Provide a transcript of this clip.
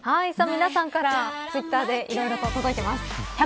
皆さんからツイッターでいろいろと届いています。